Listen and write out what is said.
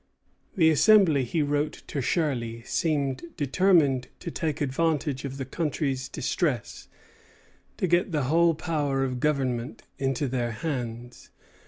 "The Assembly," he wrote to Shirley, "seem determined to take advantage of the country's distress to get the whole power of government into their own hands."